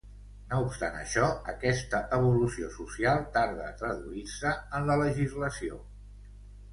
No obstant això, aquesta evolució social tarda a traduir-se en la legislació.